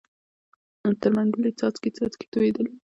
تر منګول یې څاڅکی څاڅکی تویېدلې